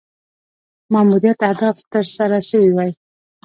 ماموریت اهداف تر سره سوي وای.